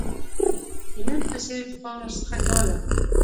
د نن په څېر دفاع ورڅخه کوله.